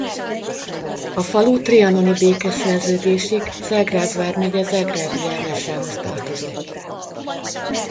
A falu trianoni békeszerződésig Zágráb vármegye Zágrábi járásához tartozott.